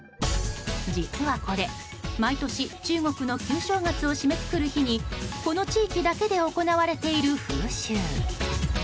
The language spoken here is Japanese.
実はこれ、毎年中国の旧正月を締めくくる日にこの地域だけで行われている風習。